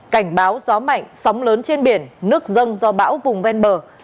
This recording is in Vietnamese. cảnh báo gió mạnh sóng lớn trên biển nước dâng do bão vùng ven bờ